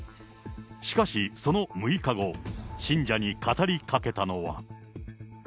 しかし、その６日後、信者に語りかけたのは。